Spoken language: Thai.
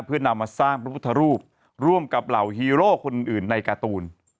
เพื่อนำมาสร้างพระพุทธรูปร่วมกับเหล่าฮีโร่คนอื่นในการ์ตูน